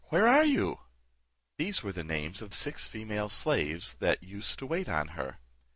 where are you?" These were the names of six female slaves that used to wait on her.